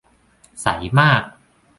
ใสมาก